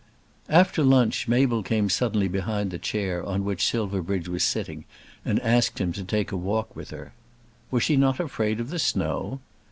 After lunch Mabel came suddenly behind the chair on which Silverbridge was sitting and asked him to take a walk with her. Was she not afraid of the snow?